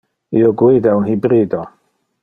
Io guida un hybrido.